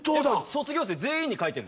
卒業生全員に書いてる。